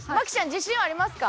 自信はありますか？